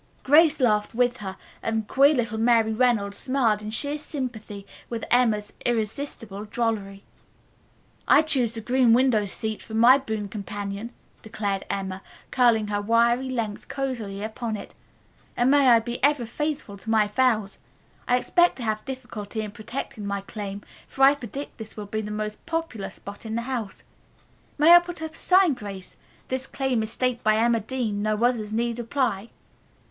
Grace laughed with her, and queer little Mary Reynolds smiled in sheer sympathy with Emma's irresistible drollery. "I choose this green window seat for my boon companion," declared Emma, curling her wiry length cosily upon it, "and may I be ever faithful to my vows. I expect to have difficulty in protecting my claim, for I predict this will be the most popular spot in the house. May I put up a sign, Grace, 'This claim is staked by Emma Dean, no others need apply'?"